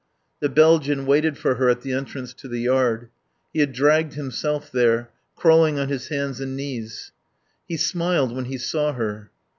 The Belgian waited for her at the entrance to the yard. He had dragged himself there, crawling on his hands and knees. He smiled when he saw her.